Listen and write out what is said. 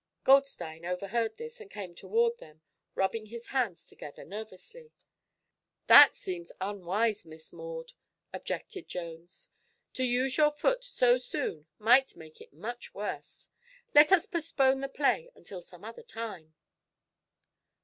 Goldstein overheard this and came toward them, rubbing his hands together nervously. "That seems unwise, Miss Maud," objected Jones. "To use your foot so soon might make it much worse. Let us postpone the play until some other time."